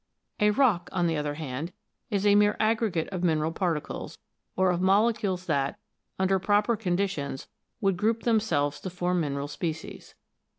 A rock, on the other hand, is a mere aggregate of mineral particles, or of molecules that, under proper conditions, would group themselves to form mineral species.